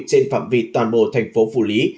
trên phạm vi toàn bộ tp phủ lý